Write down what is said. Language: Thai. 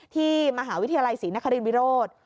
ที่มหาวิทยาลัยศรีนครินวิโรธ